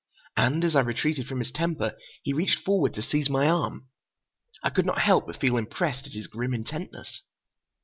And as I retreated from his temper, he reached forward to seize my arm. I could not help but feel impressed at his grim intentness.